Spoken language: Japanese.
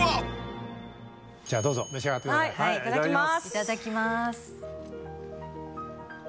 いただきます。